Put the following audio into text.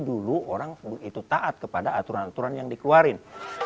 dulu orang begitu taat kepada aturan aturan yang dikeluarin